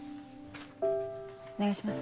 お願いします。